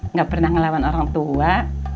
nggak pernah ngelawan orang tua